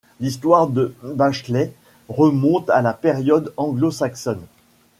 L'histoire de Bashley remonte à la période anglo-saxonne.